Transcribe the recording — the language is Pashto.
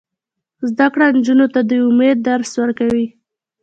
زده کړه نجونو ته د امید درس ورکوي.